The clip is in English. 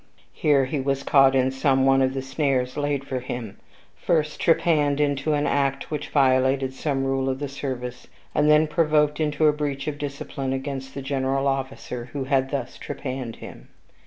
Here he was caught in some one of the snares laid for him; first trepanned into an act which violated some rule of the service; and then provoked into a breach of discipline against the general officer who had thus trepanned him.